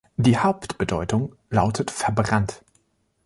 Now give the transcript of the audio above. Die Hauptbedeutung lautet „verbrannt“.